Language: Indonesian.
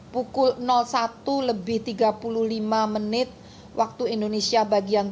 pukul satu tiga puluh lima wib